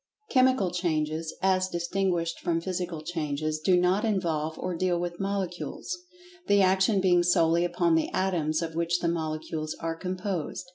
Chemical Changes, as distinguished from Physical Changes, do not involve or deal with Molecules, the action being solely upon the Atoms of which the Molecules are composed.